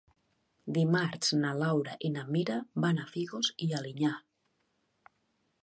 Dimarts na Laura i na Mira van a Fígols i Alinyà.